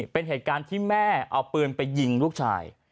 เป็นเหตุการณ์ที่แม่เอาปืนไปยิงลูกชาย